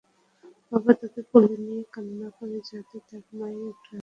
বাবা তাকে কোলে নিয়ে রান্না করে, যাতে তার মায়ের একটু সাহায্য হয়।